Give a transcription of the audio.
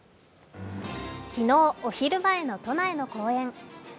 昨日、お昼前の都内の公園。